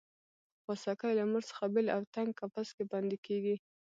خوسکی له مور څخه بېل او تنګ قفس کې بندي کېږي.